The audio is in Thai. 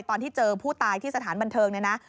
ตอนที่เจอผู้ตายที่สถานบันเทิงเนี่ยนะ